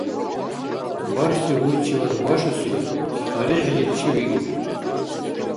Бархьси гьуйчивад вашуси талихӀличи виур.